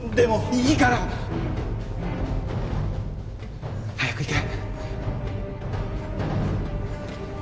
いいから！早く行け！